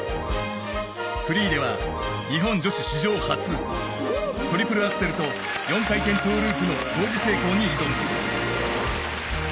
フリーでは、日本女子史上初トリプルアクセルと４回転トゥループの同時成功に挑む。